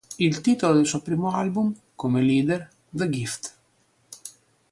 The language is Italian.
Il titolo del suo primo album come leader, The Gift.